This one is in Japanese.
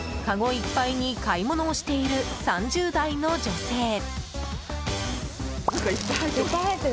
かごいっぱいに買い物をしている３０代の女性。